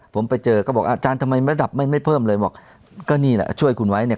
ผมไปเจอก็บอกอาจารย์ทำไมระดับไม่ไม่เพิ่มเลยบอกก็นี่แหละช่วยคุณไว้เนี่ย